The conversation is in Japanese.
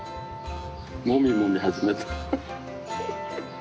もみもみ始めた。